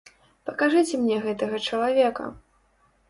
Пакажыце мне гэтага чалавека!